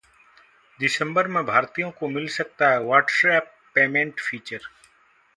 दिसंबर में भारतीयों को मिल सकता है WhatsApp पेमेंट फीचर